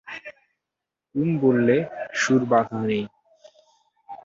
কুম বললে, সুর বাঁধা নেই।